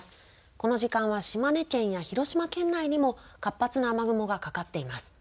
この時間は島根県や広島県内にも活発な雨雲がかかっています。